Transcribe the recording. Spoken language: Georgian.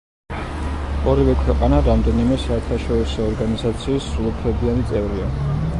ორივე ქვეყანა რამდენიმე საერთაშორისო ორგანიზაციის სრულუფლებიანი წევრია.